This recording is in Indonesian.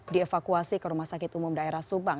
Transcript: dievakuasi ke rumah sakit umum daerah subang